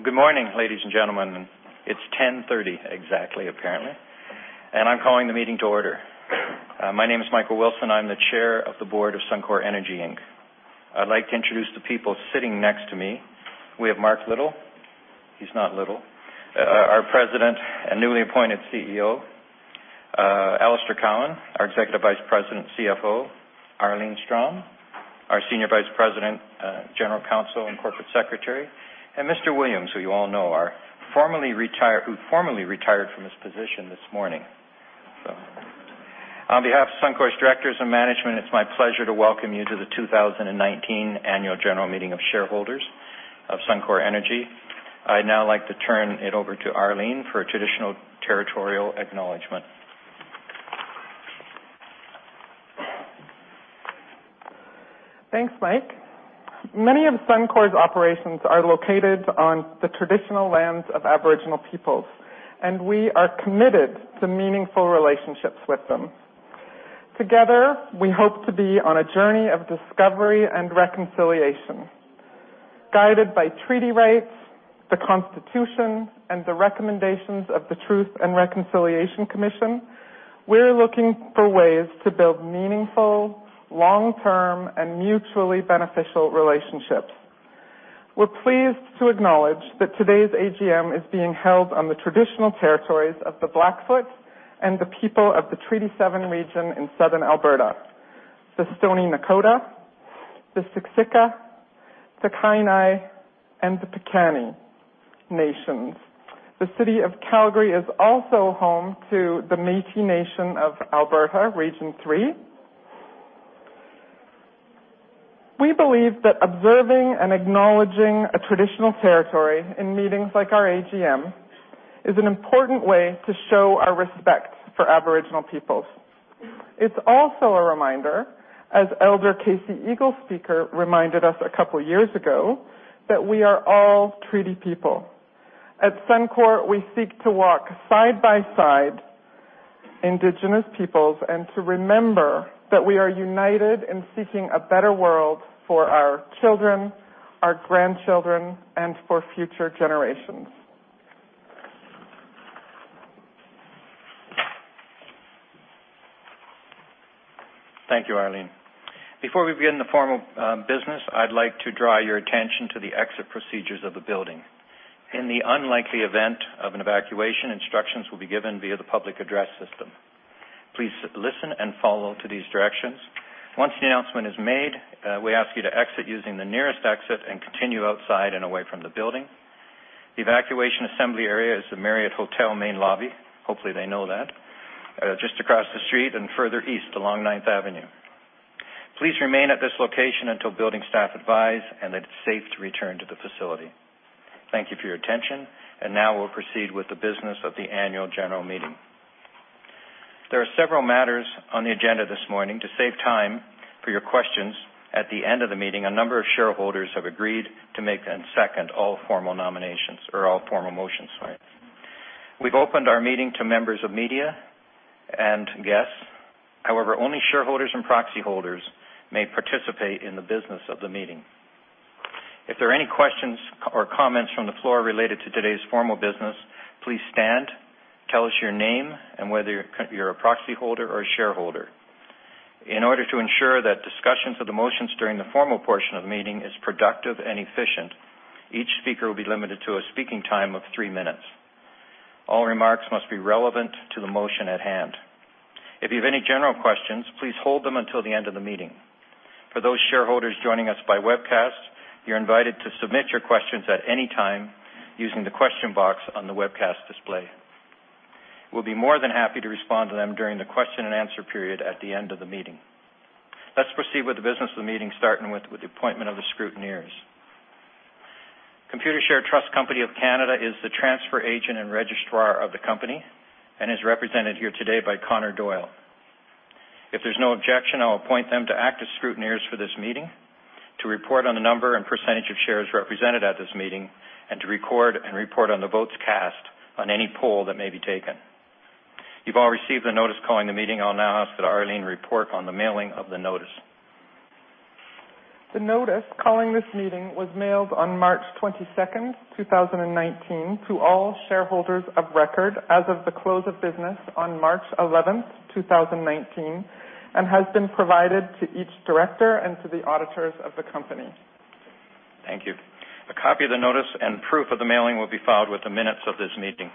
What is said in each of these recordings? Well, good morning, ladies and gentlemen. It is 10:30 exactly, apparently, and I am calling the meeting to order. My name is Michael Wilson. I am the Chair of the Board of Suncor Energy Inc. I would like to introduce the people sitting next to me. We have Mark Little, he is not little, our President and newly appointed CEO. Alister Cowan, our Executive Vice President and CFO. Arlene Strom, our Senior Vice President, General Counsel, and Corporate Secretary. Steve Williams, who you all know, who formerly retired from his position this morning. On behalf of Suncor's directors and management, it is my pleasure to welcome you to the 2019 Annual General Meeting of Shareholders of Suncor Energy. I would now like to turn it over to Arlene for a traditional territorial acknowledgement. Thanks, Mike. Many of Suncor's operations are located on the traditional lands of Aboriginal peoples, and we are committed to meaningful relationships with them. Together, we hope to be on a journey of discovery and reconciliation. Guided by treaty rights, the Constitution, and the recommendations of the Truth and Reconciliation Commission, we are looking for ways to build meaningful, long-term, and mutually beneficial relationships. We are pleased to acknowledge that today's AGM is being held on the traditional territories of the Blackfoot and the people of the Treaty 7 region in Southern Alberta, the Stoney Nakoda, the Siksika, the Kainai, and the Piikani nations. The City of Calgary is also home to the Métis Nation of Alberta, Region III. We believe that observing and acknowledging a traditional territory in meetings like our AGM is an important way to show our respect for Aboriginal peoples. It is also a reminder, as Elder Casey Eagle Speaker reminded us a couple of years ago, that we are all treaty people. At Suncor, we seek to walk side by side Indigenous peoples and to remember that we are united in seeking a better world for our children, our grandchildren, and for future generations. Thank you, Arlene. Before we begin the formal business, I would like to draw your attention to the exit procedures of the building. In the unlikely event of an evacuation, instructions will be given via the public address system. Please listen and follow to these directions. Once the announcement is made, we ask you to exit using the nearest exit and continue outside and away from the building. The evacuation assembly area is the Marriott Hotel main lobby, hopefully they know that, just across the street and further east along 9th Avenue. Please remain at this location until building staff advise, and that it is safe to return to the facility. Thank you for your attention. Now we will proceed with the business of the annual general meeting. There are several matters on the agenda this morning. To save time for your questions at the end of the meeting, a number of shareholders have agreed to make and second all formal nominations or all formal motions, sorry. We've opened our meeting to members of media and guests. However, only shareholders and proxy holders may participate in the business of the meeting. If there are any questions or comments from the floor related to today's formal business, please stand, tell us your name, and whether you're a proxy holder or a shareholder. In order to ensure that discussions of the motions during the formal portion of the meeting is productive and efficient, each speaker will be limited to a speaking time of three minutes. All remarks must be relevant to the motion at hand. If you have any general questions, please hold them until the end of the meeting. For those shareholders joining us by webcast, you're invited to submit your questions at any time using the question box on the webcast display. We'll be more than happy to respond to them during the question and answer period at the end of the meeting. Let's proceed with the business of the meeting, starting with the appointment of the scrutineers. Computershare Trust Company of Canada is the transfer agent and registrar of the company and is represented here today by Connor Doyle. If there's no objection, I will appoint them to act as scrutineers for this meeting to report on the number and percentage of shares represented at this meeting and to record and report on the votes cast on any poll that may be taken. You've all received the notice calling the meeting. I'll now ask that Arlene report on the mailing of the notice. The notice calling this meeting was mailed on March 22nd, 2019, to all shareholders of record as of the close of business on March 11th, 2019, and has been provided to each director and to the auditors of the company. Thank you. A copy of the notice and proof of the mailing will be filed with the minutes of this meeting.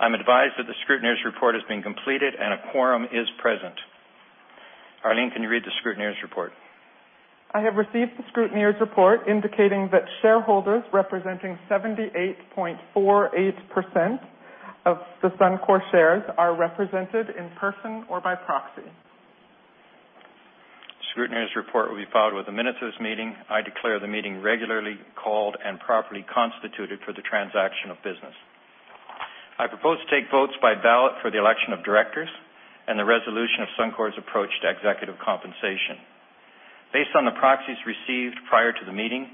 I'm advised that the scrutineer's report has been completed, and a quorum is present. Arlene, can you read the scrutineer's report? I have received the scrutineer's report indicating that shareholders representing 78.48% of the Suncor shares are represented in person or by proxy. Scrutineer's report will be filed with the minutes of this meeting. I declare the meeting regularly called and properly constituted for the transaction of business. I propose to take votes by ballot for the election of directors and the resolution of Suncor's approach to executive compensation. Based on the proxies received prior to the meeting,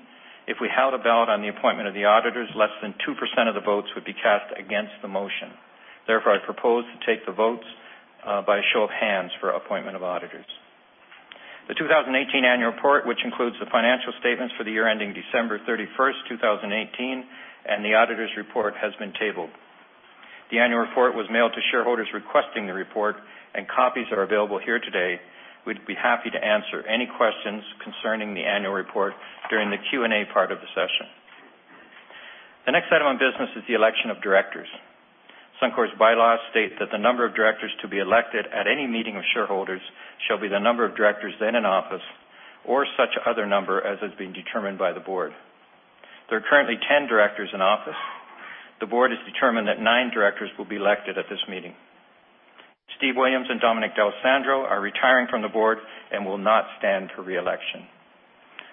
if we held a ballot on the appointment of the auditors, less than 2% of the votes would be cast against the motion. Therefore, I propose to take the votes by a show of hands for appointment of auditors. The 2018 annual report, which includes the financial statements for the year ending December 31st, 2018, and the auditor's report has been tabled. The annual report was mailed to shareholders requesting the report, and copies are available here today. We'd be happy to answer any questions concerning the annual report during the Q&A part of the session. The next item on business is the election of directors. Suncor's bylaws state that the number of directors to be elected at any meeting of shareholders shall be the number of directors then in office, or such other number as has been determined by the board. There are currently 10 directors in office. The board has determined that nine directors will be elected at this meeting. Steve Williams and Dominic D'Alessandro are retiring from the board and will not stand for re-election.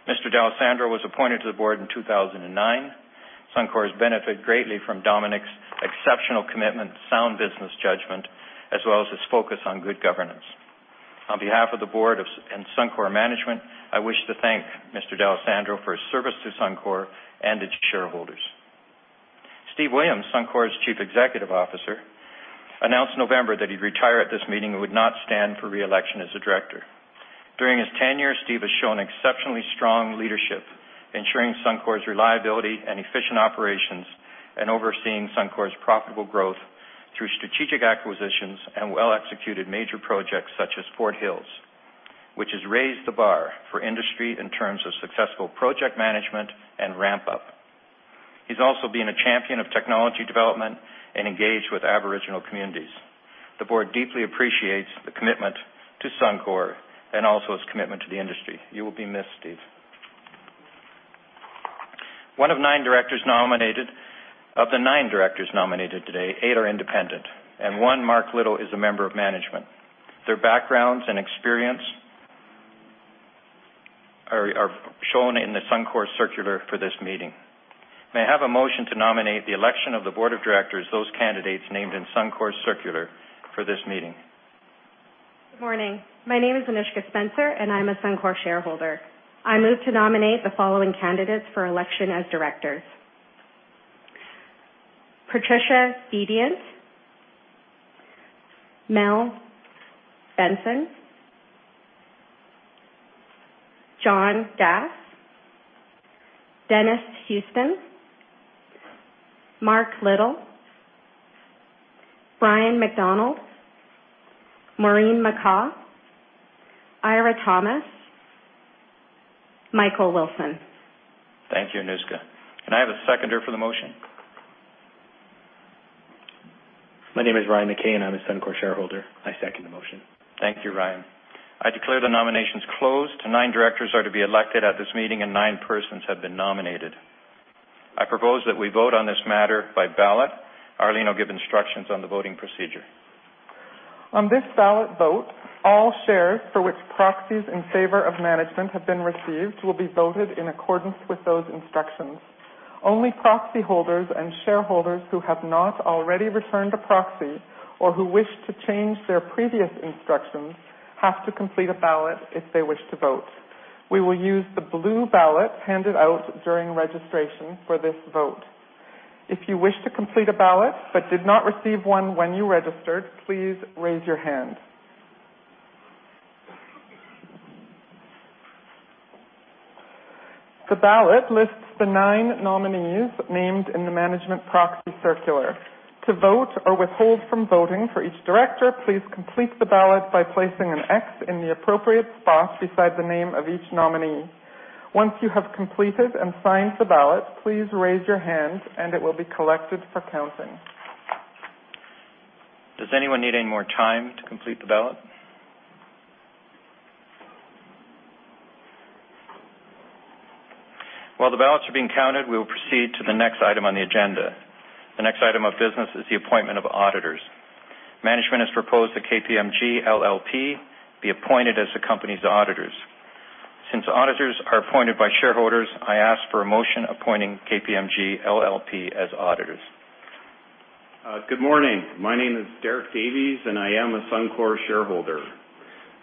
Mr. D'Alessandro was appointed to the board in 2009. Suncor has benefited greatly from Dominic's exceptional commitment, sound business judgment, as well as his focus on good governance. On behalf of the board and Suncor management, I wish to thank Mr. D'Alessandro for his service to Suncor and its shareholders. Steve Williams, Suncor's Chief Executive Officer, announced in November that he'd retire at this meeting and would not stand for re-election as a director. During his tenure, Steve has shown exceptionally strong leadership, ensuring Suncor's reliability and efficient operations, and overseeing Suncor's profitable growth through strategic acquisitions and well-executed major projects, such as Fort Hills, which has raised the bar for industry in terms of successful project management and ramp-up. He's also been a champion of technology development and engaged with Aboriginal communities. The board deeply appreciates the commitment to Suncor and also his commitment to the industry. You will be missed, Steve. Of the nine directors nominated today, eight are independent, and one, Mark Little, is a member of management. Their backgrounds and experience are shown in the Suncor circular for this meeting. May I have a motion to nominate the election of the board of directors, those candidates named in Suncor's circular for this meeting? Good morning. My name is Anushka Spencer, and I'm a Suncor shareholder. I move to nominate the following candidates for election as directors. Patricia Bedient, Mel Benson, John D. Gass, Dennis Houston, Mark Little, Brian MacDonald, Maureen McCaw, Eira Thomas, Michael Wilson. Thank you, Anushka. Can I have a seconder for the motion? My name is Ryan McKay, and I'm a Suncor shareholder. I second the motion. Thank you, Ryan. I declare the nominations closed. Nine directors are to be elected at this meeting, and nine persons have been nominated. I propose that we vote on this matter by ballot. Arlene will give instructions on the voting procedure. On this ballot vote, all shares for which proxies in favor of management have been received will be voted in accordance with those instructions. Only proxy holders and shareholders who have not already returned a proxy or who wish to change their previous instructions have to complete a ballot if they wish to vote. We will use the blue ballot handed out during registration for this vote. If you wish to complete a ballot but did not receive one when you registered, please raise your hand. The ballot lists the nine nominees named in the management proxy circular. To vote or withhold from voting for each director, please complete the ballot by placing an X in the appropriate spot beside the name of each nominee. Once you have completed and signed the ballot, please raise your hand and it will be collected for counting. Does anyone need any more time to complete the ballot? While the ballots are being counted, we will proceed to the next item on the agenda. The next item of business is the appointment of auditors. Management has proposed that KPMG LLP be appointed as the company's auditors. Since auditors are appointed by shareholders, I ask for a motion appointing KPMG LLP as auditors. Good morning. My name is Derek Davies, and I am a Suncor shareholder.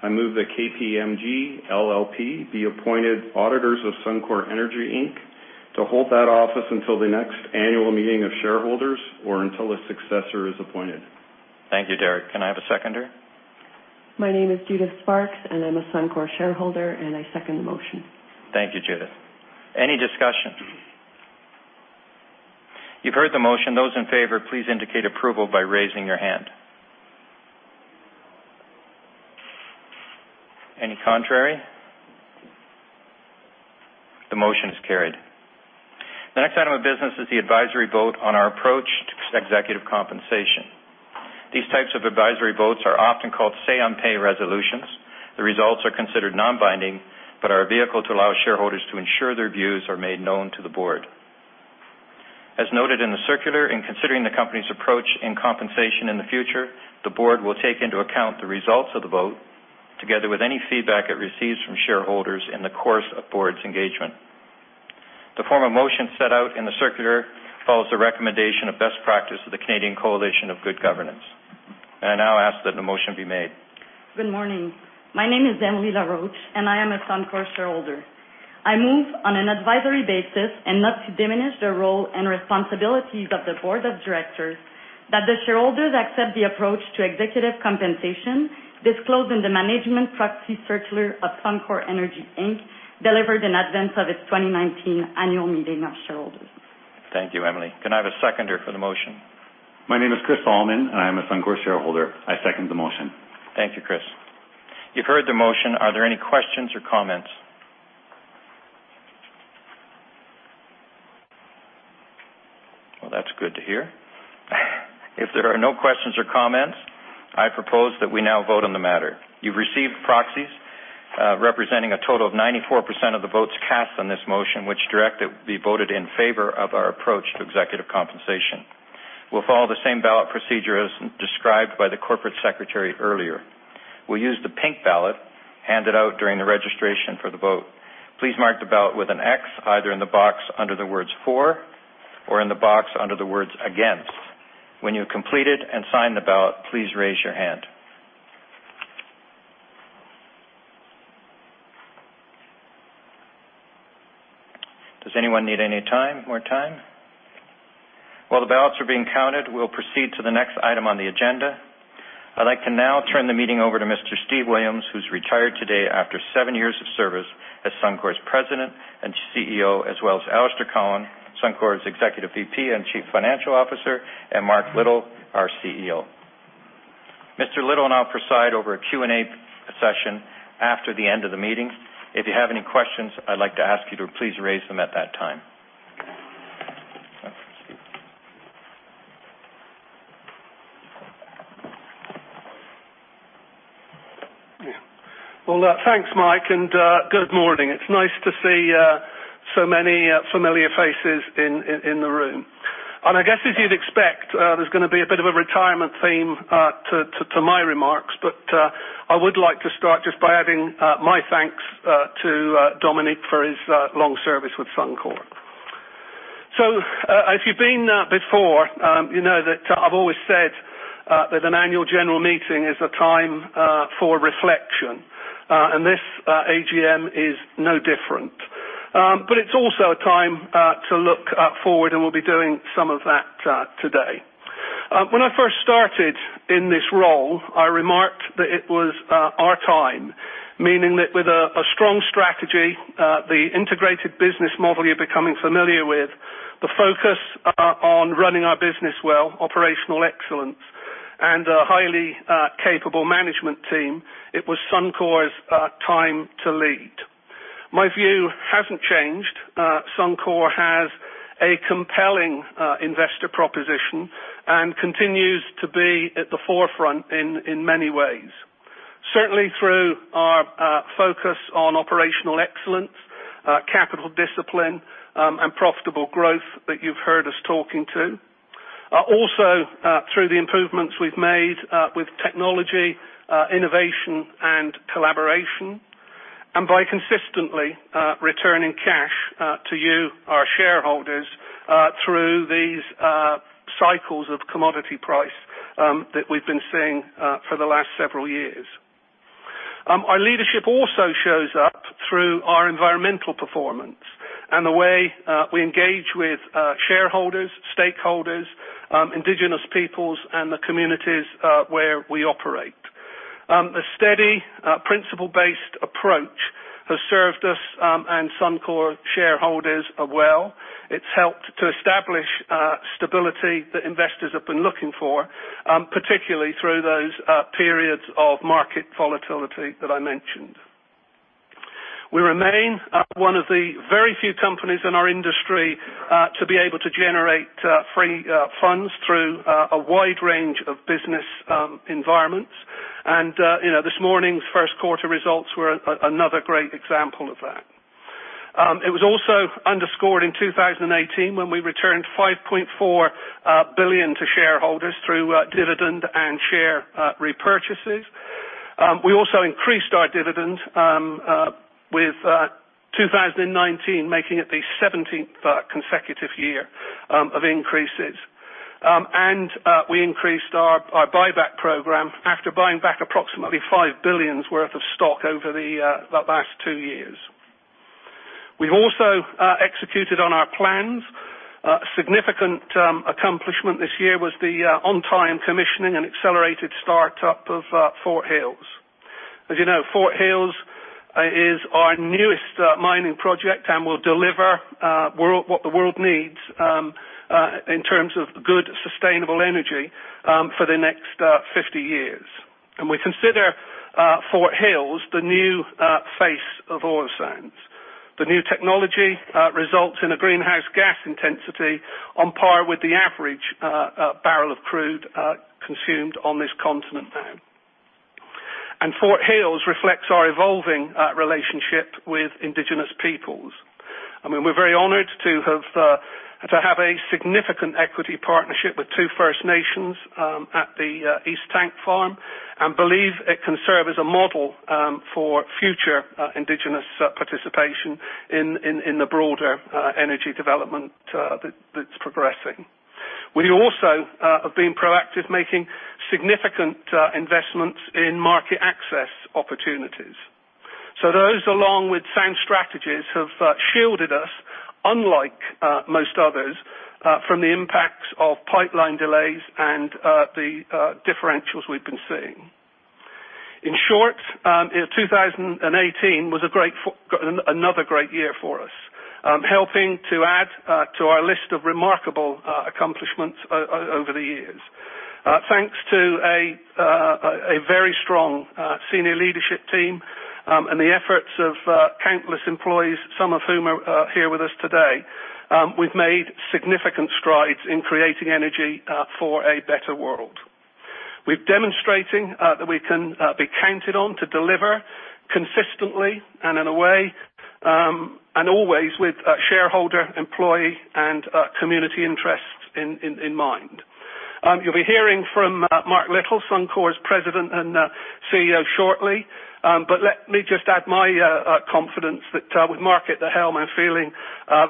I move that KPMG LLP be appointed auditors of Suncor Energy Inc. to hold that office until the next annual meeting of shareholders or until a successor is appointed. Thank you, Derek. Can I have a seconder? My name is Judith Sparks, and I'm a Suncor shareholder, and I second the motion. Thank you, Judith. Any discussion? You've heard the motion. Those in favor, please indicate approval by raising your hand. Any contrary? The motion is carried. The next item of business is the advisory vote on our approach to executive compensation. These types of advisory votes are often called say-on-pay resolutions. The results are considered non-binding but are a vehicle to allow shareholders to ensure their views are made known to the Board. As noted in the circular, in considering the company's approach in compensation in the future, the Board will take into account the results of the vote together with any feedback it receives from shareholders in the course of the Board's engagement. The form of motion set out in the circular follows the recommendation of best practice of the Canadian Coalition for Good Governance, and I now ask that the motion be made. Good morning. My name is Emilita Roach, and I am a Suncor shareholder. I move on an advisory basis and not to diminish the role and responsibilities of the board of directors, that the shareholders accept the approach to executive compensation disclosed in the management proxy circular of Suncor Energy Inc., delivered in advance of its 2019 annual meeting of shareholders. Thank you, Emily. Can I have a seconder for the motion? My name is Chris Solomon, and I am a Suncor shareholder. I second the motion. Thank you, Chris. You've heard the motion. Are there any questions or comments? Well, that's good to hear. If there are no questions or comments, I propose that we now vote on the matter. You've received proxies representing a total of 94% of the votes cast on this motion, which direct it be voted in favor of our approach to executive compensation. We'll follow the same ballot procedure as described by the Corporate Secretary earlier. We'll use the pink ballot handed out during the registration for the vote. Please mark the ballot with an X either in the box under the words "For" or in the box under the words "Against." When you've completed and signed the ballot, please raise your hand. Does anyone need any more time? While the ballots are being counted, we'll proceed to the next item on the agenda. I'd like to now turn the meeting over to Mr. Steve Williams, who's retired today after seven years of service as Suncor's President and CEO, as well as Alister Cowan, Suncor's Executive VP and Chief Financial Officer, and Mark Little, our CEO. Mr. Little will now preside over a Q&A session after the end of the meeting. If you have any questions, I'd like to ask you to please raise them at that time. Well, thanks, Mike, and good morning. It's nice to see so many familiar faces in the room. I guess as you'd expect, there's going to be a bit of a retirement theme to my remarks. I would like to start just by adding my thanks to Dominic for his long service with Suncor. If you've been here before, you know that I've always said that an annual general meeting is a time for reflection. This AGM is no different. It's also a time to look forward, and we'll be doing some of that today. When I first started in this role, I remarked that it was our time, meaning that with a strong strategy, the integrated business model you're becoming familiar with, the focus on running our business well, operational excellence, and a highly capable management team, it was Suncor's time to lead. My view hasn't changed. Suncor has a compelling investor proposition and continues to be at the forefront in many ways. Certainly through our focus on operational excellence, capital discipline, and profitable growth that you've heard us talking to. Also through the improvements we've made with technology, innovation, and collaboration, and by consistently returning cash to you, our shareholders, through these cycles of commodity price that we've been seeing for the last several years. Our leadership also shows up through our environmental performance and the way we engage with shareholders, stakeholders, Indigenous peoples, and the communities where we operate. A steady, principle-based approach has served us and Suncor shareholders well. It's helped to establish stability that investors have been looking for, particularly through those periods of market volatility that I mentioned. We remain one of the very few companies in our industry to be able to generate free funds through a wide range of business environments. This morning's first quarter results were another great example of that. It was also underscored in 2018 when we returned 5.4 billion to shareholders through dividend and share repurchases. We also increased our dividend with 2019, making it the 17th consecutive year of increases. We increased our buyback program after buying back approximately 5 billion worth of stock over the last two years. We've also executed on our plans. A significant accomplishment this year was the on-time commissioning and accelerated startup of Fort Hills. As you know, Fort Hills is our newest mining project and will deliver what the world needs in terms of good, sustainable energy for the next 50 years. We consider Fort Hills the new face of oil sands. The new technology results in a greenhouse gas intensity on par with the average barrel of crude consumed on this continent now. Fort Hills reflects our evolving relationship with Indigenous peoples. We're very honored to have a significant equity partnership with two First Nations at the East Tank Farm, and believe it can serve as a model for future Indigenous participation in the broader energy development that's progressing. We also have been proactive, making significant investments in market access opportunities. Those, along with sound strategies, have shielded us, unlike most others, from the impacts of pipeline delays and the differentials we've been seeing. In short, 2018 was another great year for us, helping to add to our list of remarkable accomplishments over the years. Thanks to a very strong senior leadership team and the efforts of countless employees, some of whom are here with us today, we've made significant strides in creating energy for a better world. We're demonstrating that we can be counted on to deliver consistently and in a way, always with shareholder, employee, and community interests in mind. You'll be hearing from Mark Little, Suncor's President and CEO, shortly. Let me just add my confidence that with Mark at the helm, I'm feeling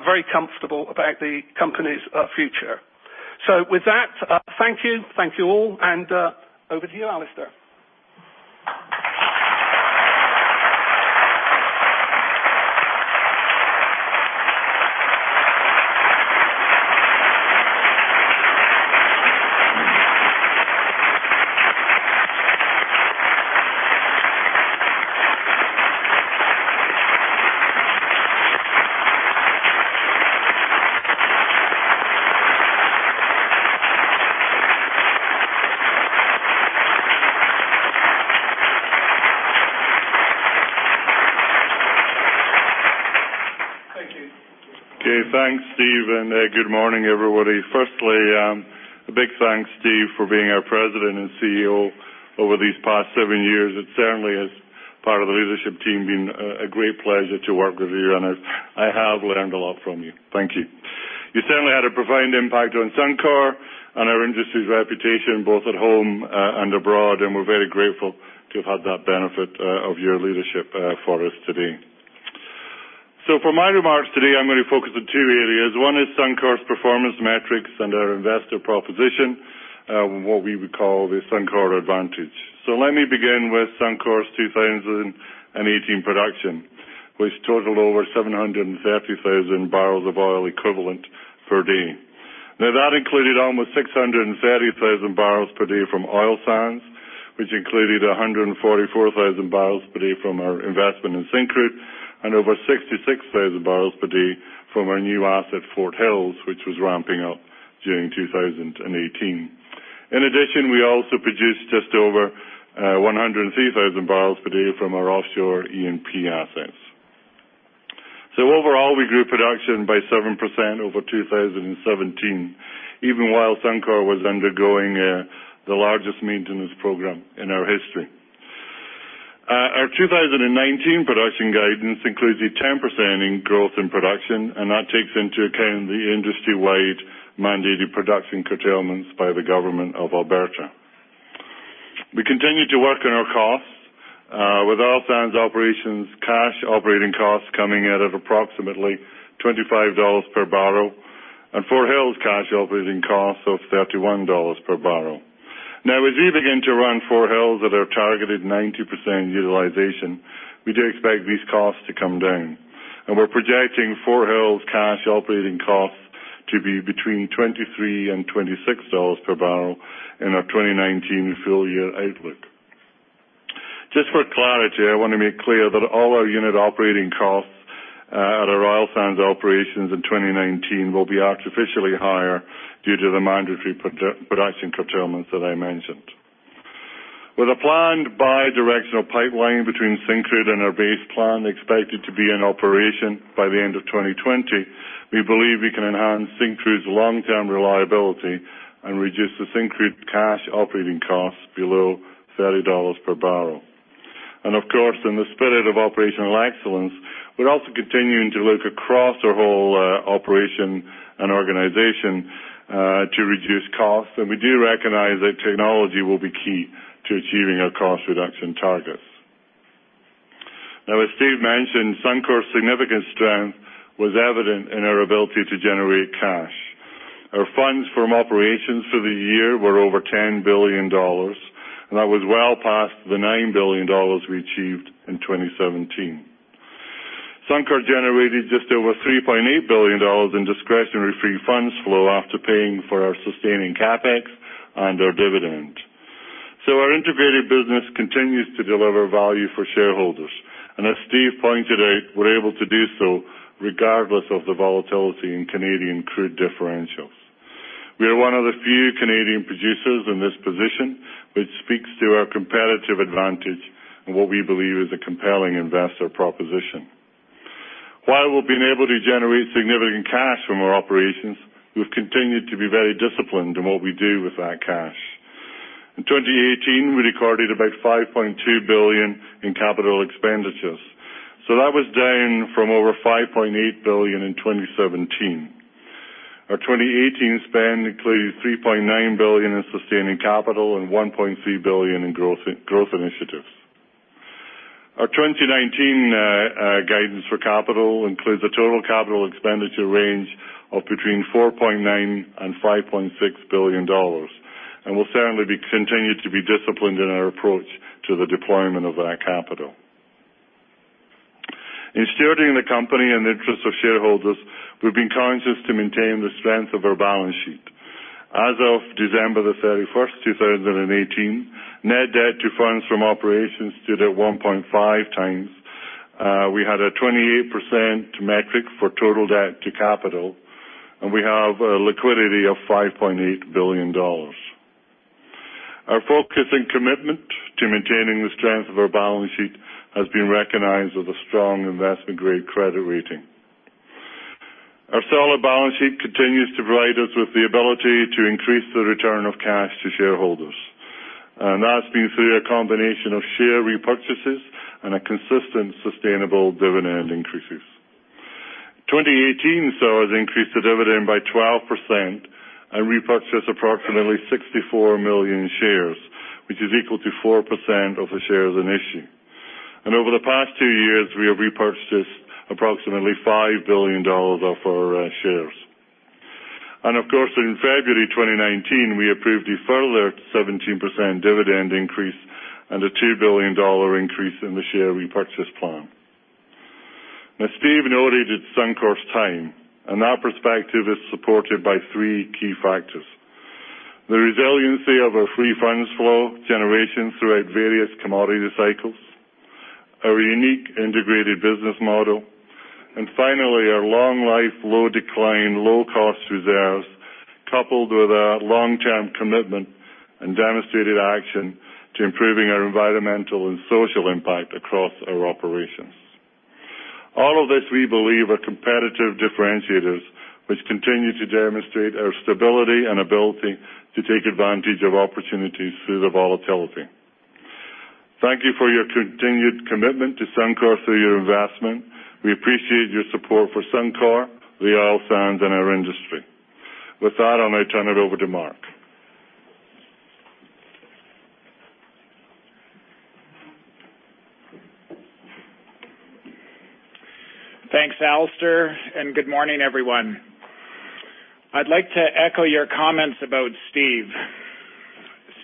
very comfortable about the company's future. With that, thank you. Thank you all, and over to you, Alister. Thank you. Okay. Thanks, Steve, and good morning, everybody. Firstly, a big thanks, Steve, for being our President and CEO over these past seven years. It certainly has, part of the leadership team, been a great pleasure to work with you, and I have learned a lot from you. Thank you. You certainly had a profound impact on Suncor and our industry's reputation, both at home and abroad, and we're very grateful to have had that benefit of your leadership for us today. For my remarks today, I'm going to focus on two areas. One is Suncor's performance metrics and our investor proposition, what we would call the Suncor Advantage. Let me begin with Suncor's 2018 production, which totaled over 730,000 barrels of oil equivalent per day. That included almost 630,000 barrels per day from oil sands, which included 144,000 barrels per day from our investment in Syncrude, and over 66,000 barrels per day from our new asset, Fort Hills, which was ramping up during 2018. In addition, we also produced just over 103,000 barrels per day from our offshore E&P assets. Overall, we grew production by 7% over 2017, even while Suncor was undergoing the largest maintenance program in our history. Our 2019 production guidance includes a 10% in growth in production, and that takes into account the industry-wide mandated production curtailments by the government of Alberta. We continue to work on our costs. With oil sands operations, cash operating costs coming out of approximately 25 dollars per barrel, and Fort Hills cash operating costs of 31 dollars per barrel. As we begin to run Fort Hills at our targeted 90% utilization, we do expect these costs to come down, and we're projecting Fort Hills cash operating costs to be between 23 and 26 dollars per barrel in our 2019 full-year outlook. Just for clarity, I want to make clear that all our unit operating costs at our oil sands operations in 2019 will be artificially higher due to the mandatory production curtailments that I mentioned. With a planned bi-directional pipeline between Syncrude and our Base Plant expected to be in operation by the end of 2020, we believe we can enhance Syncrude's long-term reliability and reduce the Syncrude cash operating costs below 30 dollars per barrel. Of course, in the spirit of operational excellence, we're also continuing to look across our whole operation and organization to reduce costs, and we do recognize that technology will be key to achieving our cost reduction targets. As Steve mentioned, Suncor's significant strength was evident in our ability to generate cash. Our funds from operations for the year were over 10 billion dollars, and that was well past the 9 billion dollars we achieved in 2017. Suncor generated just over 3.8 billion dollars in discretionary free funds flow after paying for our sustaining CapEx and our dividend. Our integrated business continues to deliver value for shareholders. As Steve pointed out, we're able to do so regardless of the volatility in Canadian crude differentials. We are one of the few Canadian producers in this position, which speaks to our competitive advantage and what we believe is a compelling investor proposition. While we've been able to generate significant cash from our operations, we've continued to be very disciplined in what we do with that cash. In 2018, we recorded about 5.2 billion in capital expenditures, that was down from over 5.8 billion in 2017. Our 2018 spend includes 3.9 billion in sustaining capital and 1.3 billion in growth initiatives. Our 2019 guidance for capital includes a total capital expenditure range of between 4.9 billion and 5.6 billion dollars, and we'll certainly continue to be disciplined in our approach to the deployment of that capital. In stewarding the company in the interest of shareholders, we've been conscious to maintain the strength of our balance sheet. As of December the 31st, 2018, net debt to funds from operations stood at 1.5 times. We had a 28% metric for total debt to capital, and we have a liquidity of 5.8 billion dollars. Our focus and commitment to maintaining the strength of our balance sheet has been recognized with a strong investment-grade credit rating. Our solid balance sheet continues to provide us with the ability to increase the return of cash to shareholders, and that's been through a combination of share repurchases and a consistent, sustainable dividend increases. 2018 saw us increase the dividend by 12% and repurchase approximately 64 million shares, which is equal to 4% of the shares in issue. Over the past two years, we have repurchased approximately 5 billion dollars of our shares. Of course, in February 2019, we approved a further 17% dividend increase and a 2 billion dollar increase in the share repurchase plan. Steve noted it's Suncor's time, and that perspective is supported by three key factors. The resiliency of our free funds flow generation throughout various commodity cycles, our unique integrated business model, and finally, our long life, low decline, low-cost reserves, coupled with our long-term commitment and demonstrated action to improving our environmental and social impact across our operations. All of this, we believe, are competitive differentiators, which continue to demonstrate our stability and ability to take advantage of opportunities through the volatility. Thank you for your continued commitment to Suncor through your investment. We appreciate your support for Suncor, the oil sands, and our industry. With that, I'll now turn it over to Mark. Thanks, Alister, and good morning, everyone. I'd like to echo your comments about Steve.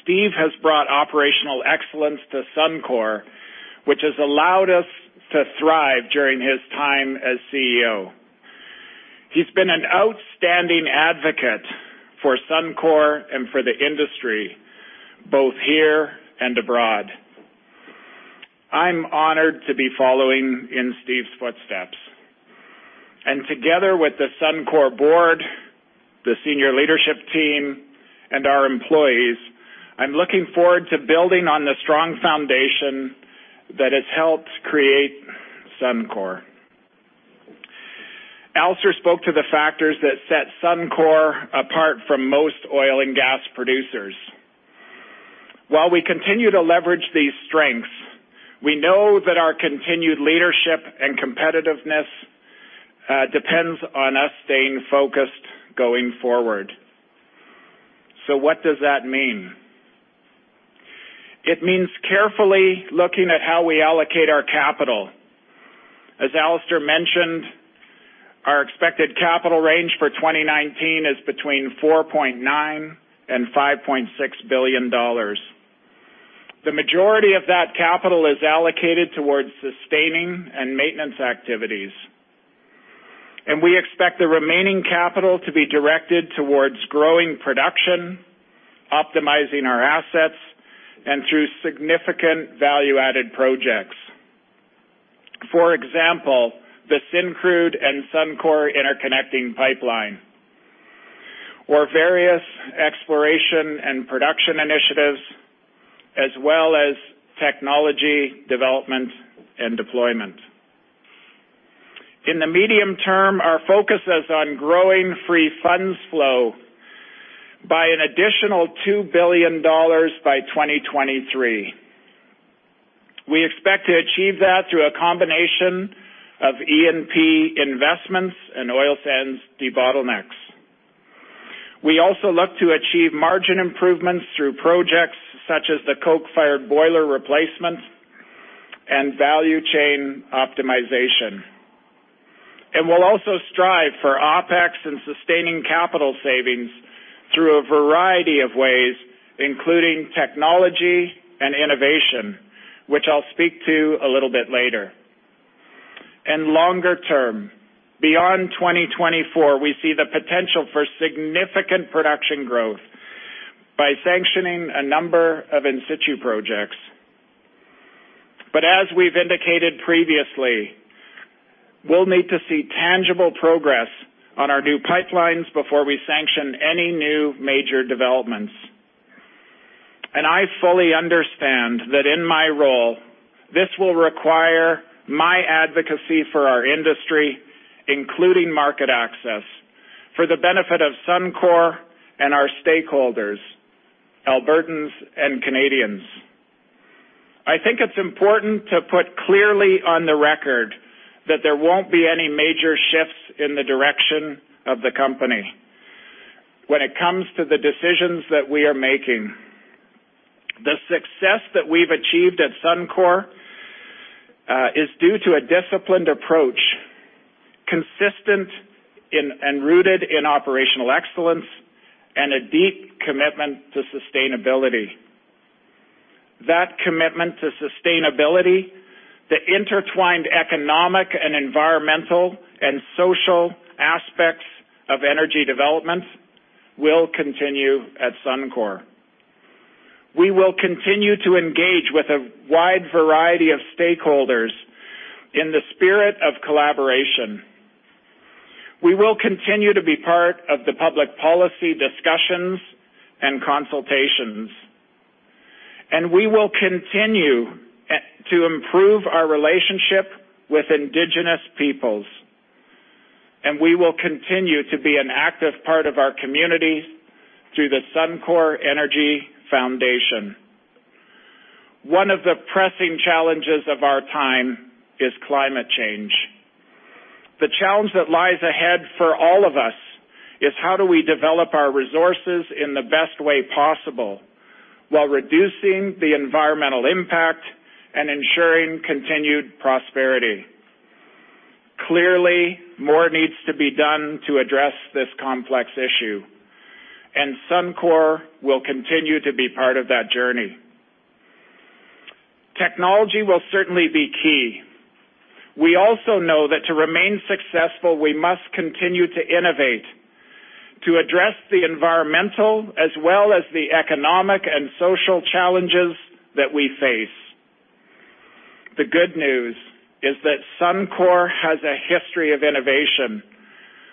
Steve has brought operational excellence to Suncor, which has allowed us to thrive during his time as CEO. He's been an outstanding advocate for Suncor and for the industry, both here and abroad. I'm honored to be following in Steve's footsteps. Together with the Suncor board, the senior leadership team, and our employees, I'm looking forward to building on the strong foundation that has helped create Suncor. Alister spoke to the factors that set Suncor apart from most oil and gas producers. While we continue to leverage these strengths, we know that our continued leadership and competitiveness depends on us staying focused going forward. What does that mean? It means carefully looking at how we allocate our capital. As Alister mentioned, our expected capital range for 2019 is between 4.9 billion and 5.6 billion dollars. The majority of that capital is allocated towards sustaining and maintenance activities. We expect the remaining capital to be directed towards growing production, optimizing our assets, and through significant value-added projects. For example, the Syncrude and Suncor interconnecting pipeline, or various exploration and production initiatives, as well as technology development and deployment. In the medium term, our focus is on growing free funds flow by an additional 2 billion dollars by 2023. We expect to achieve that through a combination of E&P investments and oil sands debottlenecks. We also look to achieve margin improvements through projects such as the coke-fired boiler replacement and value chain optimization. We'll also strive for OPEX and sustaining capital savings through a variety of ways, including technology and innovation, which I'll speak to a little bit later. Longer term, beyond 2024, we see the potential for significant production growth by sanctioning a number of in-situ projects. As we've indicated previously, we'll need to see tangible progress on our new pipelines before we sanction any new major developments. I fully understand that in my role, this will require my advocacy for our industry, including market access, for the benefit of Suncor and our stakeholders, Albertans and Canadians. I think it's important to put clearly on the record that there won't be any major shifts in the direction of the company. When it comes to the decisions that we are making, the success that we've achieved at Suncor is due to a disciplined approach, consistent and rooted in operational excellence, and a deep commitment to sustainability. That commitment to sustainability, the intertwined economic and environmental and social aspects of energy development, will continue at Suncor. We will continue to engage with a wide variety of stakeholders in the spirit of collaboration. We will continue to be part of the public policy discussions and consultations. We will continue to improve our relationship with Indigenous peoples, and we will continue to be an active part of our communities through the Suncor Energy Foundation. One of the pressing challenges of our time is climate change. The challenge that lies ahead for all of us is how do we develop our resources in the best way possible while reducing the environmental impact and ensuring continued prosperity. Clearly, more needs to be done to address this complex issue, and Suncor will continue to be part of that journey. Technology will certainly be key. We also know that to remain successful, we must continue to innovate to address the environmental as well as the economic and social challenges that we face. The good news is that Suncor has a history of innovation,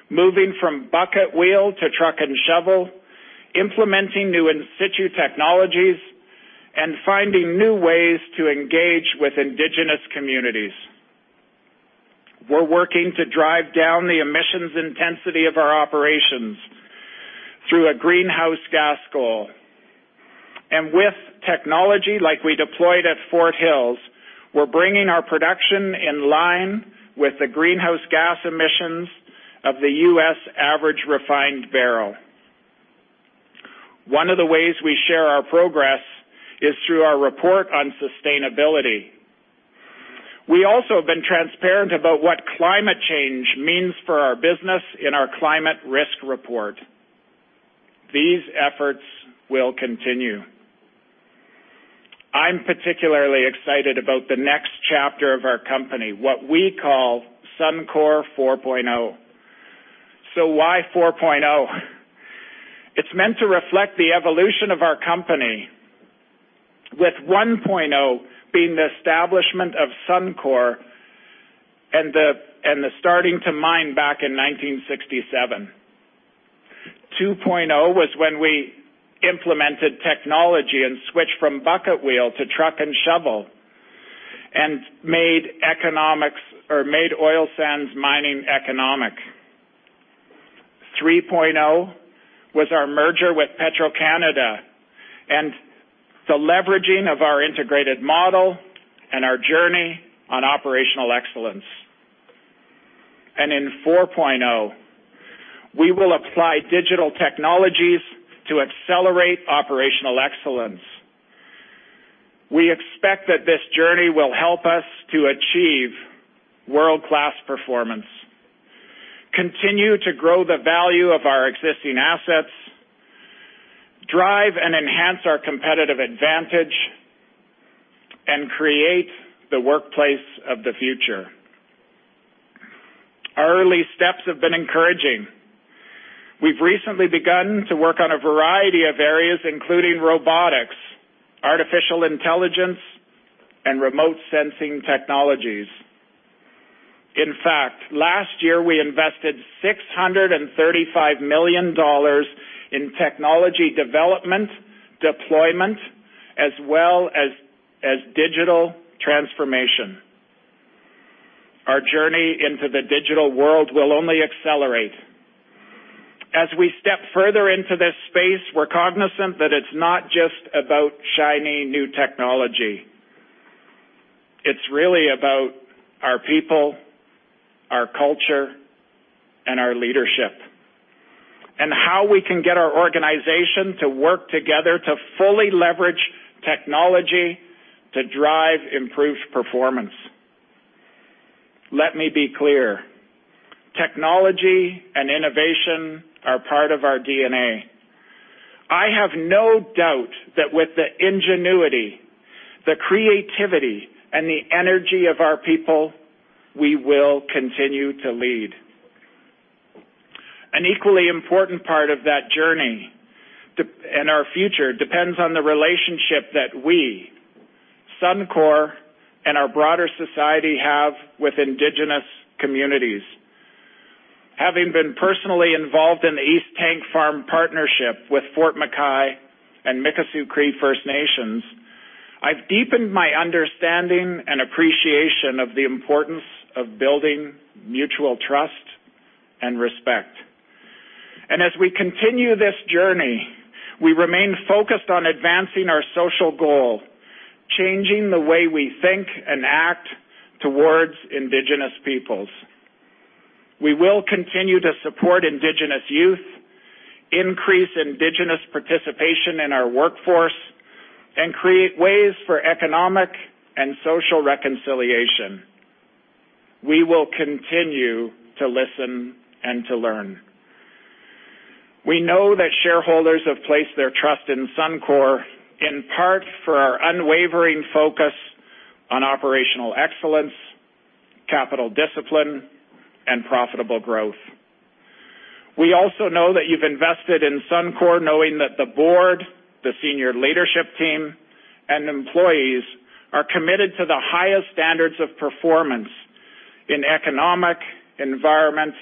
moving from bucket wheel to truck and shovel, implementing new in situ technologies, and finding new ways to engage with Indigenous communities. We're working to drive down the emissions intensity of our operations through a greenhouse gas goal. With technology like we deployed at Fort Hills, we're bringing our production in line with the greenhouse gas emissions of the U.S. average refined barrel. One of the ways we share our progress is through our report on sustainability. We also have been transparent about what climate change means for our business in our climate risk report. These efforts will continue. I'm particularly excited about the next chapter of our company, what we call Suncor 4.0. Why 4.0? It's meant to reflect the evolution of our company, with 1.0 being the establishment of Suncor and the starting to mine back in 1967. 2.0 was when we implemented technology and switched from bucket wheel to truck and shovel and made oil sands mining economic. 3.0 was our merger with Petro-Canada and the leveraging of our integrated model and our journey on operational excellence. In 4.0, we will apply digital technologies to accelerate operational excellence. We expect that this journey will help us to achieve world-class performance, continue to grow the value of our existing assets, drive and enhance our competitive advantage, and create the workplace of the future. Our early steps have been encouraging. We've recently begun to work on a variety of areas, including robotics, artificial intelligence, and remote sensing technologies. In fact, last year, we invested 635 million dollars in technology development, deployment, as well as digital transformation. Our journey into the digital world will only accelerate. As we step further into this space, we're cognizant that it's not just about shiny new technology. It's really about our people, our culture, and our leadership, and how we can get our organization to work together to fully leverage technology to drive improved performance. Let me be clear, technology and innovation are part of our DNA. I have no doubt that with the ingenuity, the creativity, and the energy of our people, we will continue to lead. An equally important part of that journey and our future depends on the relationship that we, Suncor, and our broader society have with Indigenous communities. Having been personally involved in the East Tank Farm partnership with Fort McKay and Mikisew Cree First Nations, I've deepened my understanding and appreciation of the importance of building mutual trust and respect. As we continue this journey, we remain focused on advancing our social goal. Changing the way we think and act towards Indigenous peoples. We will continue to support Indigenous youth, increase Indigenous participation in our workforce, and create ways for economic and social reconciliation. We will continue to listen and to learn. We know that shareholders have placed their trust in Suncor, in part for our unwavering focus on operational excellence, capital discipline, and profitable growth. We also know that you've invested in Suncor knowing that the board, the senior leadership team, and employees are committed to the highest standards of performance in economic, environment,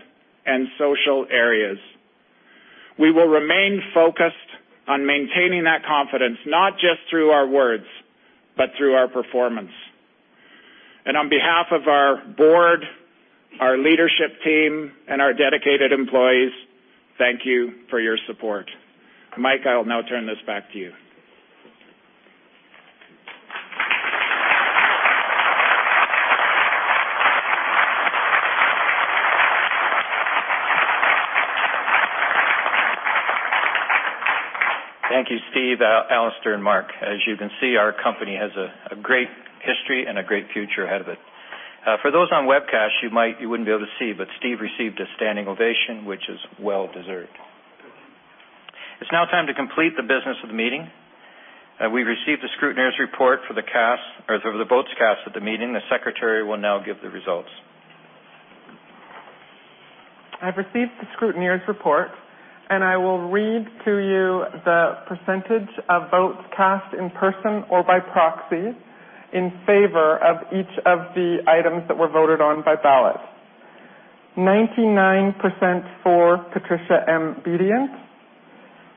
and social areas. We will remain focused on maintaining that confidence, not just through our words, but through our performance. On behalf of our board, our leadership team, and our dedicated employees, thank you for your support. Mike, I will now turn this back to you. Thank you, Steve, Alister, and Mark. As you can see, our company has a great history and a great future ahead of it. For those on webcast, you wouldn't be able to see, but Steve received a standing ovation, which is well deserved. It's now time to complete the business of the meeting. We've received the scrutineer's report for the votes cast at the meeting. The secretary will now give the results. I've received the scrutineer's report. I will read to you the percentage of votes cast in person or by proxy in favor of each of the items that were voted on by ballot. 99% for Patricia M. Bedient.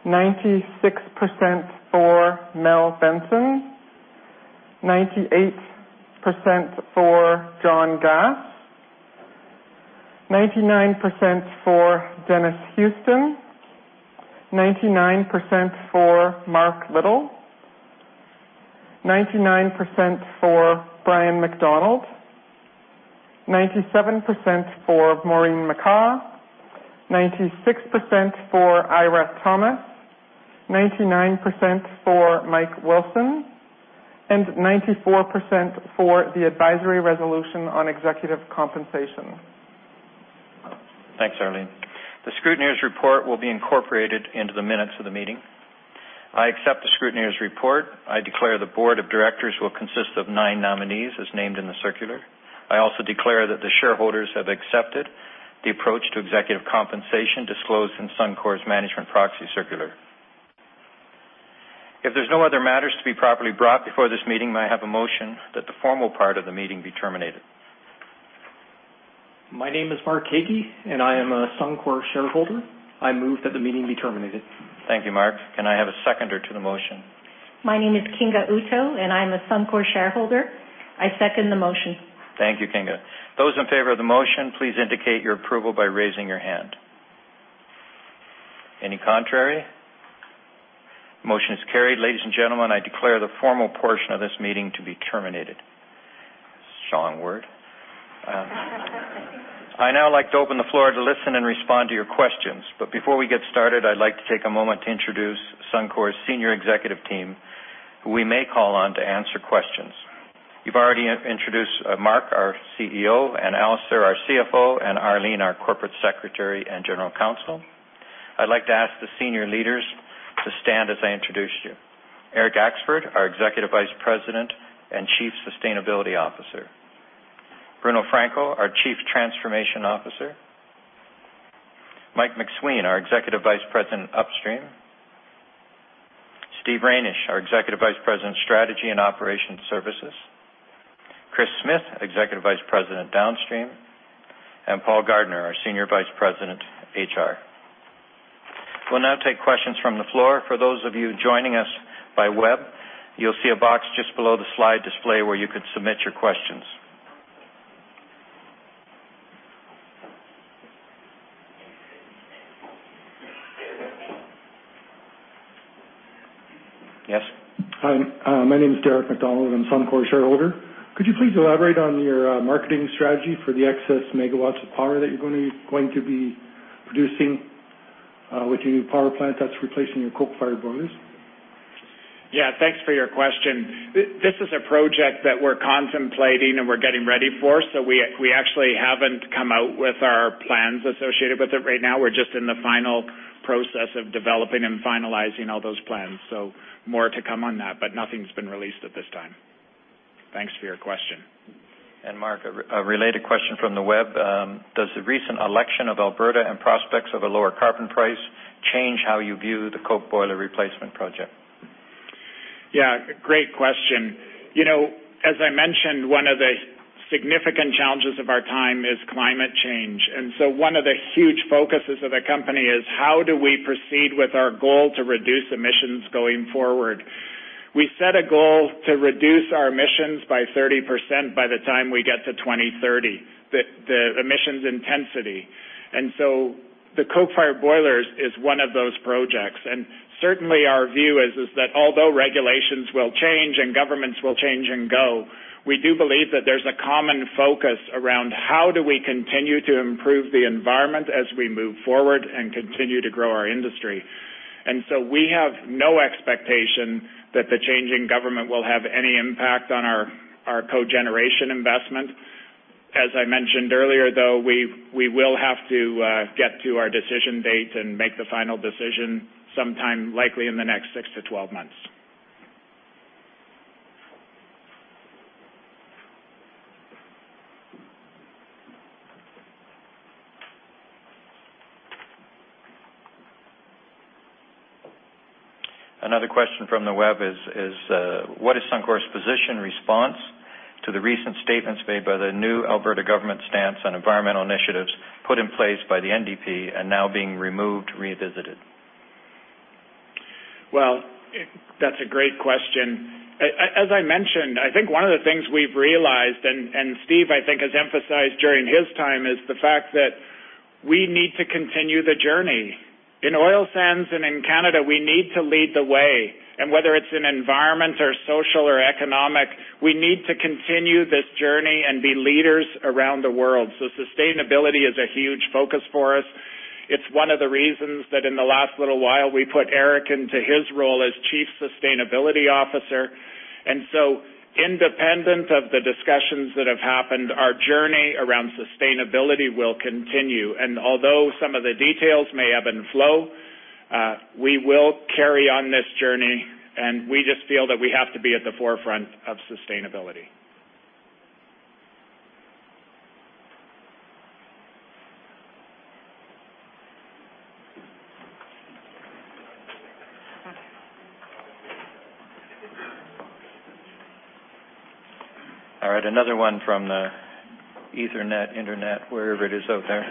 96% for Mel Benson. 98% for John Gass. 99% for Dennis Houston. 99% for Mark Little. 99% for Brian MacDonald. 97% for Maureen McCaw. 96% for Eira Thomas. 99% for Mike Wilson, 94% for the advisory resolution on executive compensation. Thanks, Arlene. The scrutineer's report will be incorporated into the minutes of the meeting. I accept the scrutineer's report. I declare the board of directors will consist of nine nominees as named in the circular. I also declare that the shareholders have accepted the approach to executive compensation disclosed in Suncor's management proxy circular. If there's no other matters to be properly brought before this meeting, may I have a motion that the formal part of the meeting be terminated? My name is Mark Hagee, and I am a Suncor shareholder. I move that the meeting be terminated. Thank you, Mark. Can I have a seconder to the motion? My name is Kinga Uto, and I am a Suncor shareholder. I second the motion. Thank you, Kinga. Those in favor of the motion, please indicate your approval by raising your hand. Any contrary? Motion is carried. Ladies and gentlemen, I declare the formal portion of this meeting to be terminated. Strong word. I'd now like to open the floor to listen and respond to your questions. Before we get started, I'd like to take a moment to introduce Suncor's senior executive team, who we may call on to answer questions. You've already introduced Mark, our CEO, and Alister, our CFO, and Arlene, our Corporate Secretary and General Counsel. I'd like to ask the senior leaders to stand as I introduce you. Eric Axford, our Executive Vice President and Chief Sustainability Officer. Bruno Franco, our Chief Transformation Officer. Michael MacSween, our Executive Vice President, Upstream. Steve Reynish, our Executive Vice President, Strategy and Operations Services. Kris Smith, Executive Vice President, Downstream, and Paul Gardner, our Senior Vice President, HR. We'll now take questions from the floor. For those of you joining us by web, you'll see a box just below the slide display where you could submit your questions. Yes? Hi, my name is Derek McDonald. I'm a Suncor shareholder. Could you please elaborate on your marketing strategy for the excess megawatts of power that you're going to be producing with your new power plant that's replacing your coke-fired boilers? Yeah. Thanks for your question. This is a project that we're contemplating and we're getting ready for, we actually haven't come out with our plans associated with it right now. We're just in the final process of developing and finalizing all those plans. More to come on that, nothing's been released at this time. Thanks for your question. Mark, a related question from the web. Does the recent election of Alberta and prospects of a lower carbon price change how you view the coke-fired boiler replacement project? Yeah, great question. As I mentioned, one of the significant challenges of our time is climate change. So one of the huge focuses of the company is how do we proceed with our goal to reduce emissions going forward? We set a goal to reduce our emissions by 30% by the time we get to 2030, the emissions intensity. So the coke-fired boilers is one of those projects. Certainly our view is that although regulations will change and governments will change and go, we do believe that there's a common focus around how do we continue to improve the environment as we move forward and continue to grow our industry. So we have no expectation that the change in government will have any impact on our cogeneration investment. As I mentioned earlier, though, we will have to get to our decision date and make the final decision sometime likely in the next 6 to 12 months. Another question from the web is: What is Suncor's position response to the recent statements made by the new Alberta government stance on environmental initiatives put in place by the NDP and now being removed, revisited? That's a great question. As I mentioned, I think one of the things we've realized, and Steve, I think, has emphasized during his time, is the fact that we need to continue the journey. In oil sands and in Canada, we need to lead the way. Whether it's in environment or social or economic, we need to continue this journey and be leaders around the world. Sustainability is a huge focus for us. It's one of the reasons that in the last little while, we put Eric into his role as Chief Sustainability Officer. So independent of the discussions that have happened, our journey around sustainability will continue. Although some of the details may ebb and flow, we will carry on this journey and we just feel that we have to be at the forefront of sustainability. Another one from the ethernet, internet, wherever it is out there.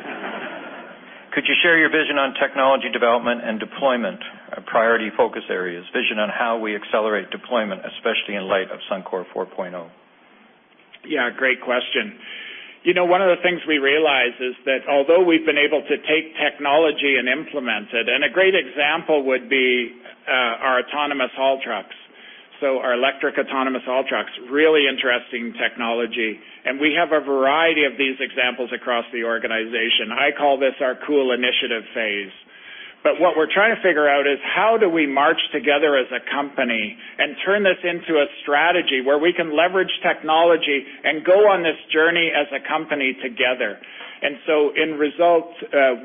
Could you share your vision on technology development and deployment, priority focus areas, vision on how we accelerate deployment, especially in light of Suncor 4.0? Great question. One of the things we realize is that although we've been able to take technology and implement it, and a great example would be our autonomous haul trucks. Our electric autonomous haul trucks, really interesting technology. We have a variety of these examples across the organization. I call this our cool initiative phase. What we're trying to figure out is how do we march together as a company and turn this into a strategy where we can leverage technology and go on this journey as a company together. In result,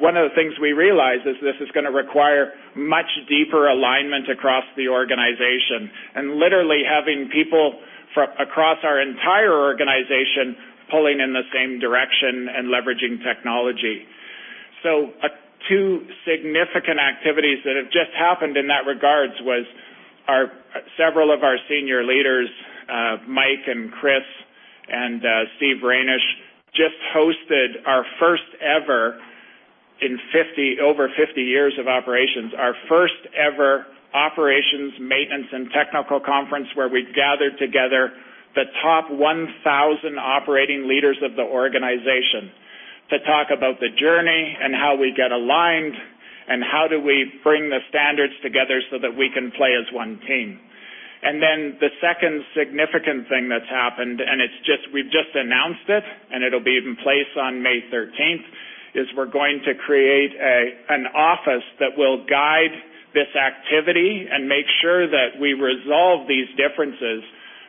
one of the things we realize is this is going to require much deeper alignment across the organization and literally having people from across our entire organization pulling in the same direction and leveraging technology. Two significant activities that have just happened in that regards was several of our senior leaders, Mike and Chris and Steve Reynish, just hosted our first ever, in over 50 years of operations, our first ever operations, maintenance, and technical conference where we gathered together the top 1,000 operating leaders of the organization to talk about the journey and how we get aligned and how do we bring the standards together so that we can play as one team. The second significant thing that's happened, and we've just announced it and it'll be in place on May 13th, is we're going to create an office that will guide this activity and make sure that we resolve these differences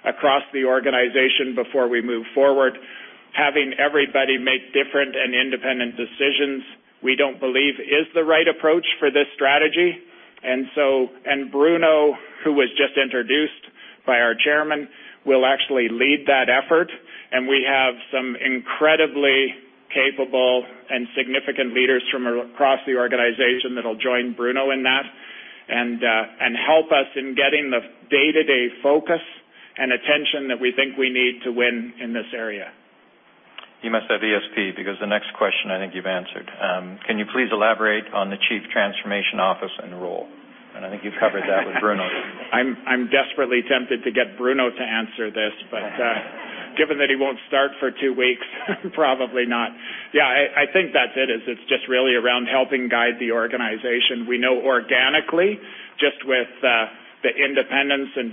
across the organization before we move forward. Having everybody make different and independent decisions, we don't believe is the right approach for this strategy. Bruno, who was just introduced by our Chairman, will actually lead that effort. We have some incredibly capable and significant leaders from across the organization that'll join Bruno in that and help us in getting the day-to-day focus and attention that we think we need to win in this area. You must have ESP because the next question I think you've answered. Can you please elaborate on the Chief Transformation Office and role? I think you've covered that with Bruno. I'm desperately tempted to get Bruno to answer this, but given that he won't start for two weeks, probably not. Yeah, I think that's it, is it's just really around helping guide the organization. We know organically, just with the independence and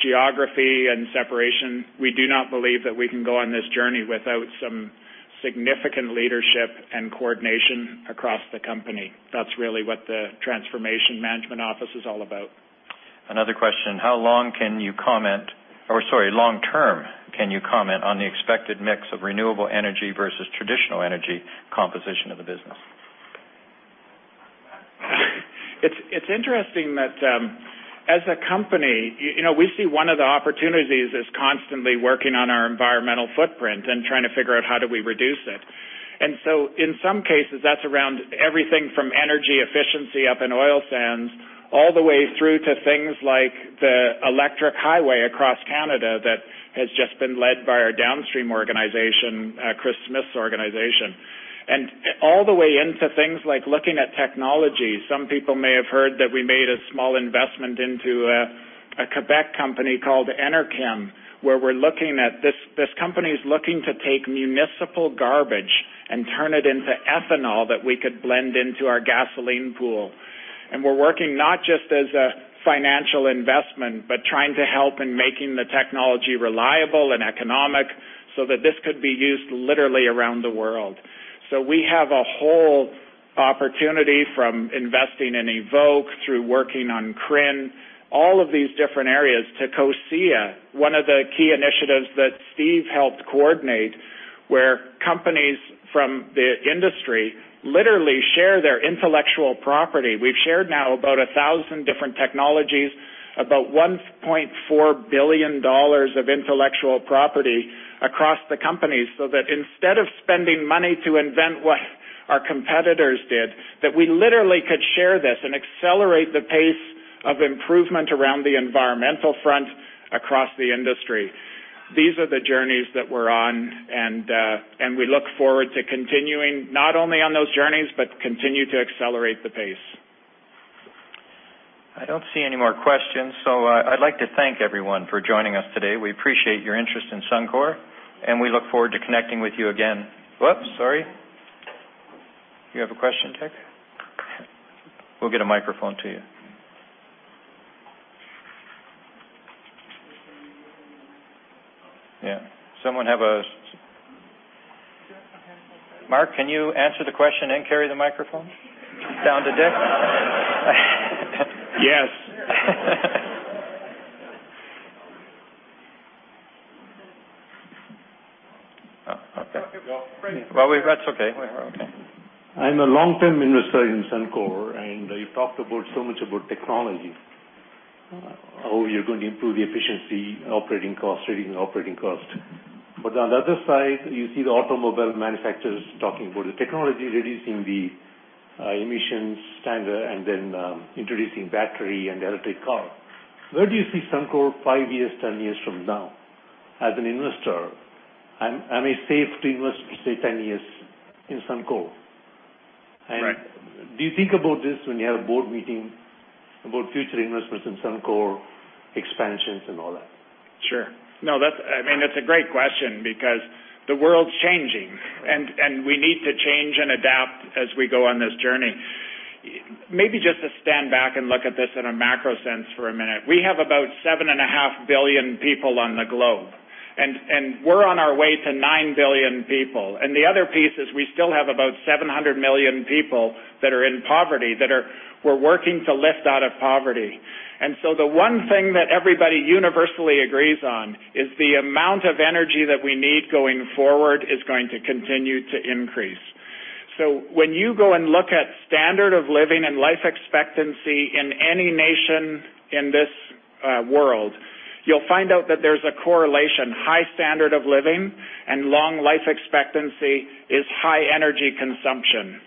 geography and separation, we do not believe that we can go on this journey without some significant leadership and coordination across the company. That's really what the Transformation Management Office is all about. Another question. Long-term, can you comment on the expected mix of renewable energy versus traditional energy composition of the business? It's interesting that as a company, we see one of the opportunities is constantly working on our environmental footprint and trying to figure out how do we reduce it. In some cases, that's around everything from energy efficiency up in oil sands, all the way through to things like the electric highway across Canada that has just been led by our Downstream organization, Kris Smith's organization. All the way into things like looking at technology. Some people may have heard that we made a small investment into a Quebec company called Enerkem. This company is looking to take municipal garbage and turn it into ethanol that we could blend into our gasoline pool. We're working not just as a financial investment, but trying to help in making the technology reliable and economic so that this could be used literally around the world. We have a whole opportunity from investing in Evok through working on CRIN, all of these different areas to COSIA, one of the key initiatives that Steve helped coordinate, where companies from the industry literally share their intellectual property. We've shared now about 1,000 different technologies, about 1.4 billion dollars of intellectual property across the company, so that instead of spending money to invent what our competitors did, that we literally could share this and accelerate the pace of improvement around the environmental front across the industry. These are the journeys that we're on, we look forward to continuing not only on those journeys but continue to accelerate the pace. I don't see any more questions, I'd like to thank everyone for joining us today. We appreciate your interest in Suncor, we look forward to connecting with you again. Whoops, sorry. You have a question, Dick? We'll get a microphone to you. Yeah. Mark, can you answer the question and carry the microphone down to Dick? Yes. Oh, okay. Well, that's okay. I'm a long-term investor in Suncor, and you talked so much about technology, how you're going to improve the efficiency, operating cost, trading and operating cost. On the other side, you see the automobile manufacturers talking about the technology, reducing the emissions standard, and then introducing battery and electric car. Where do you see Suncor five years, 10 years from now? As an investor, am I safe to invest, say, 10 years in Suncor? Right. Do you think about this when you have a board meeting about future investments in Suncor expansions and all that? Sure. It's a great question because the world's changing, and we need to change and adapt as we go on this journey. Maybe just to stand back and look at this in a macro sense for a minute. We have about 7.5 billion people on the globe, and we're on our way to 9 billion people. The other piece is we still have about 700 million people that are in poverty that we're working to lift out of poverty. The one thing that everybody universally agrees on is the amount of energy that we need going forward is going to continue to increase. When you go and look at standard of living and life expectancy in any nation in this world, you'll find out that there's a correlation. High standard of living and long life expectancy is high energy consumption.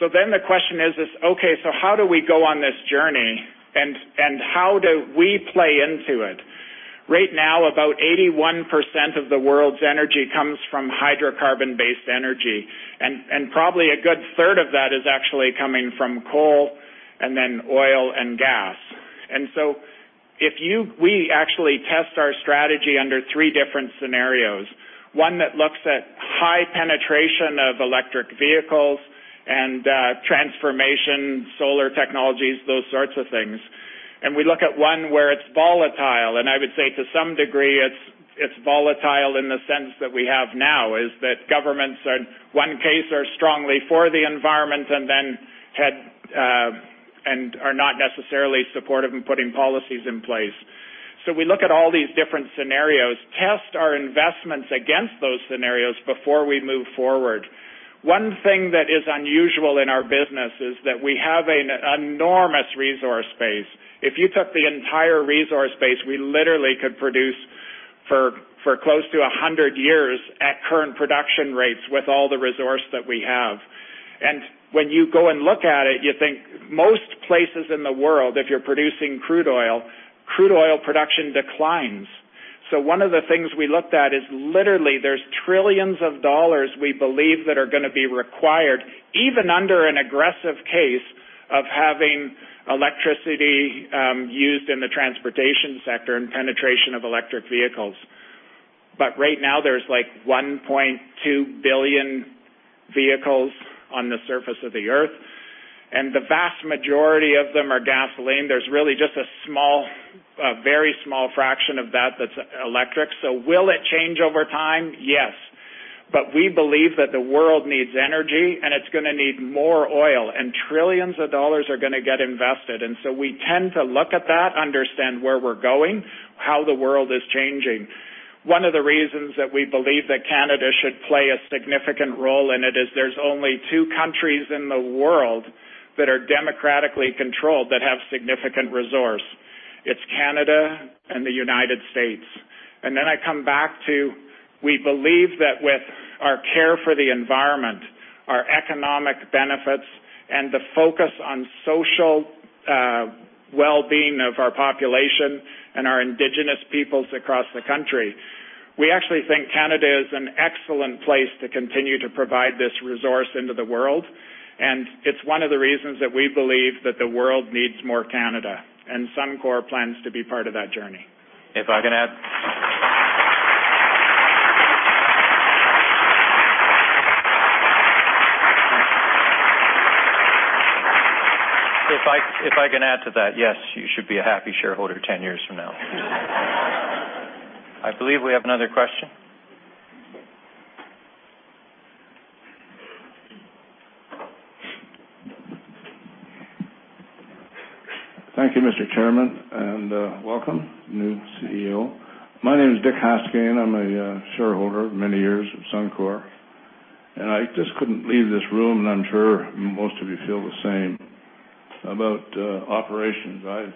The question is: Okay, so how do we go on this journey, and how do we play into it? Right now, about 81% of the world's energy comes from hydrocarbon-based energy, and probably a good third of that is actually coming from coal and then oil and gas. We actually test our strategy under three different scenarios. One that looks at high penetration of electric vehicles and transformation, solar technologies, those sorts of things. We look at one where it's volatile, and I would say to some degree, it's volatile in the sense that we have now, is that governments in one case are strongly for the environment and are not necessarily supportive in putting policies in place. We look at all these different scenarios, test our investments against those scenarios before we move forward. One thing that is unusual in our business is that we have an enormous resource base. If you took the entire resource base, we literally could produce for close to 100 years at current production rates with all the resource that we have. When you go and look at it, you think most places in the world, if you're producing crude oil, crude oil production declines. One of the things we looked at is literally there's trillions of CAD we believe that are going to be required, even under an aggressive case of having electricity used in the transportation sector and penetration of electric vehicles. Right now, there's 1.2 billion vehicles on the surface of the Earth, and the vast majority of them are gasoline. There's really just a very small fraction of that that's electric. Will it change over time? Yes. We believe that the world needs energy, and it's going to need more oil, and trillions of CAD are going to get invested. We tend to look at that, understand where we're going, how the world is changing. One of the reasons that we believe that Canada should play a significant role in it is there's only two countries in the world that are democratically controlled that have significant resource. It's Canada and the U.S. I come back to, we believe that with our care for the environment, our economic benefits, and the focus on social well-being of our population and our indigenous peoples across the country, we actually think Canada is an excellent place to continue to provide this resource into the world. It's one of the reasons that we believe that the world needs more Canada, and Suncor plans to be part of that journey. If I can add to that, yes, you should be a happy shareholder 10 years from now. I believe we have another question. Thank you, Mr. Chairman, and welcome, new CEO. My name is Dick Haskayne. I'm a shareholder, many years, of Suncor. I just couldn't leave this room, and I'm sure most of you feel the same about operations. I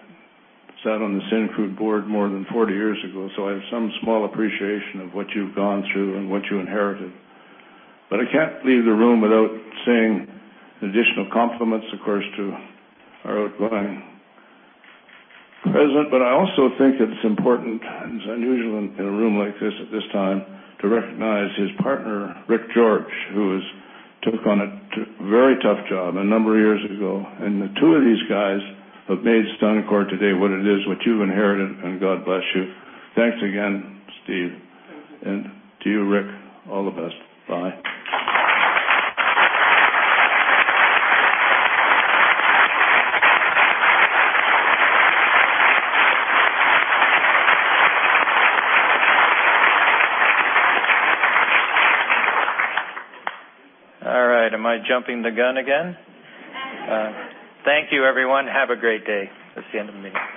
sat on the Syncrude board more than 40 years ago, so I have some small appreciation of what you've gone through and what you inherited. I can't leave the room without saying additional compliments, of course, to our outgoing president. I also think it's important, and it's unusual in a room like this at this time, to recognize his partner, Rick George, who took on a very tough job a number of years ago. The two of these guys have made Suncor today what it is, what you've inherited, and God bless you. Thanks again, Steve. To you, Rick, all the best. Bye. All right. Am I jumping the gun again? Thank you, everyone. Have a great day. That's the end of the meeting.